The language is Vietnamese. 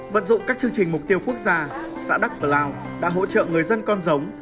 vận dụng các chương trình mục tiêu quốc gia xã đắk plao đã hỗ trợ người dân con giống